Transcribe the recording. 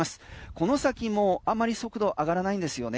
この先もあんまり速度上がらないんですよね